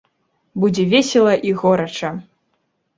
Будзе весела і горача!